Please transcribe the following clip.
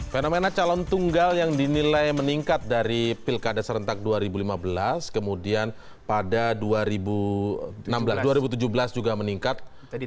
fenomena calon tunggal yang dinilai meningkat dari pilkada serentak dua ribu lima belas kemudian pada dua ribu tujuh belas juga meningkat